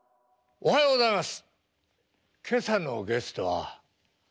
おはようございます。